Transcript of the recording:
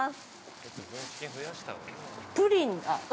◆プリンだ。